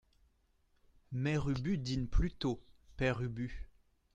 Mère Ubu Dîne plutôt, Père Ubu.